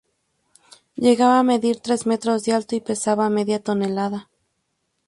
Llegaba a medir tres metros de alto y pesaban media tonelada.